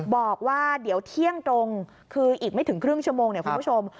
บอกว่าเดี๋ยวเที่ยงตรงคืออีกไม่ถึงครึ่งชั่วโมงเนี่ยคุณผู้ชม